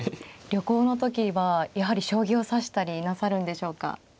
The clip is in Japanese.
旅行の時はやはり将棋を指したりなさるんでしょうか。